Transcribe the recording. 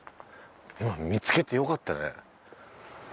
今見つけてよかったね。